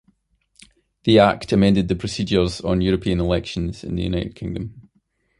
The Act amended the procedures on European elections in the United Kingdom.